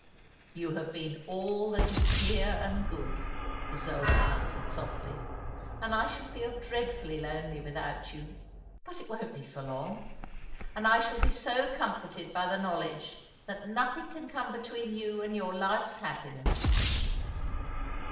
" You have been all that is dear and good," Isola answered softly, " and I shall feel dreadfully lonely without you ; but it won't be for long. And I shall be so comforted by the knowledge that nothing can come between you and your life's happiness."